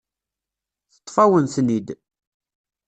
Teṭṭef-awen-ten-id.